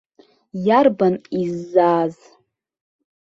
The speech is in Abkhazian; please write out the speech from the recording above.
Иарбан иззааз?